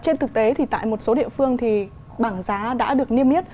trên thực tế thì tại một số địa phương thì bảng giá đã được niêm yết